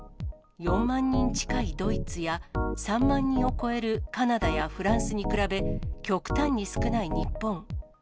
４万人近いドイツや、３万人を超えるカナダやフランスに比べ、極端に少ない日本。